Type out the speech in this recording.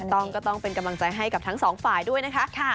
ก็ต้องเป็นกำลังใจให้กับทั้งสองฝ่ายด้วยนะคะ